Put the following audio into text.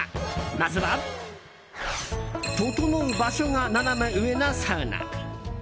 まずはととのう場所がナナメ上なサウナ。